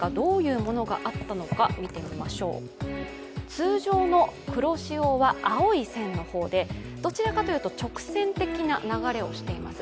通常の黒潮は青い線の方で、どちらかといえば直線的な流れをしています。